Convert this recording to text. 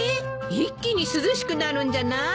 一気に涼しくなるんじゃない？